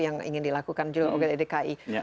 yang ingin dilakukan juga